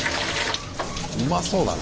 うまそうだな！